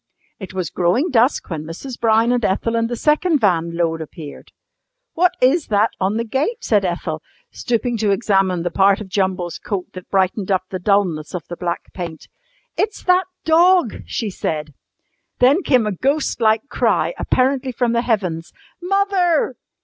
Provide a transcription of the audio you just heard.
It was growing dusk when Mrs. Brown and Ethel and the second van load appeared. "What is that on the gate?" said Ethel, stooping to examine the part of Jumble's coat that brightened up the dulness of the black paint. "It's that dog!" she said. Then came a ghost like cry, apparently from the heavens. "Mother!"